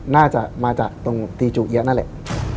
น่าจะมาจากตรงตีจูเอี๊ยะนั่นแหละ